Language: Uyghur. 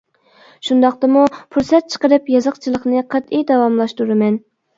شۇنداقتىمۇ پۇرسەت چىقىرىپ يېزىقچىلىقنى قەتئىي داۋاملاشتۇرىمەن.